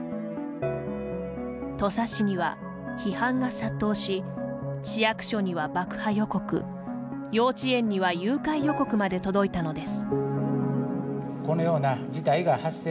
土佐市には批判が殺到し市役所には爆破予告幼稚園には誘拐予告まで届いたのです。